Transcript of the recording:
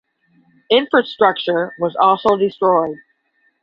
Infrastructure was also destroyed.